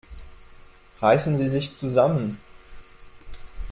Reißen Sie sich zusammen!